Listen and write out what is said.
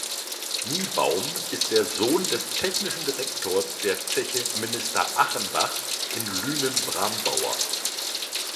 Niebaum ist der Sohn des technischen Direktors der Zeche Minister Achenbach in Lünen-Brambauer.